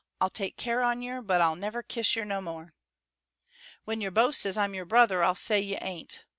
I'll take care on yer, but I'll never kiss yer no more. "When yer boasts as I'm your brother I'll say you ain't.